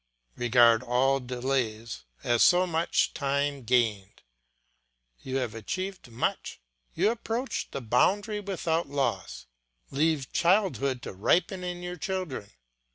Regard all delays as so much time gained; you have achieved much, you approach the boundary without loss. Leave childhood to ripen in your children.